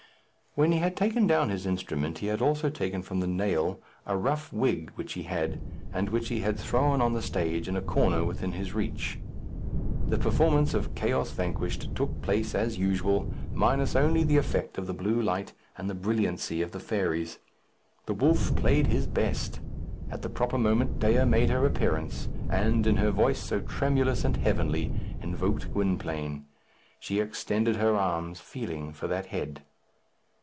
When he had taken down his instrument, he had also taken from the nail a rough wig which he had, and which he had thrown on the stage in a corner within his reach. The performance of "Chaos Vanquished" took place as usual, minus only the effect of the blue light and the brilliancy of the fairies. The wolf played his best. At the proper moment Dea made her appearance, and, in her voice so tremulous and heavenly, invoked Gwynplaine. She extended her arms, feeling for that head.